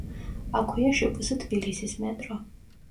აქვეა შპს „თბილისის მეტრო“.